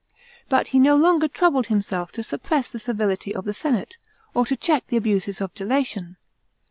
* But he no longer troubled himself to suppress the servility of the senate, or to check the abuses of delation.